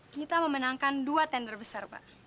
kita memenangkan dua tender besar pak